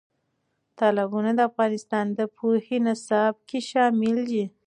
تالابونه د افغانستان د پوهنې نصاب کې شامل دي.